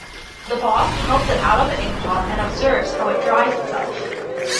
The boss helps it out of the inkpot and observes how it dries itself.